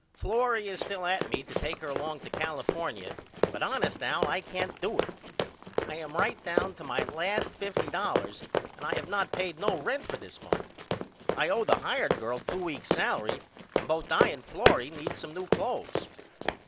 Florrie is still at me to take her along to California but honest Al I can't do it. I am right down to my last $50 and I have not payed no rent for this month. I owe the hired girl 2 weeks' salery and both I and Florrie needs some new cloths.